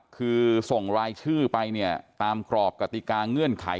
คือส่งรายชื่อไปเนี่ยตามกรอบกติกาเงื่อนไข